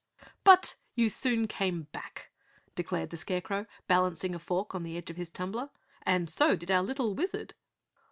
"But you soon came back," declared the Scarecrow, balancing a fork on the edge of his tumbler. "And so did our little Wizard."